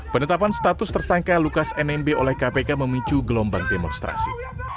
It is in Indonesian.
penetapan status tersangka lukas nmb oleh kpk memicu gelombang demonstrasi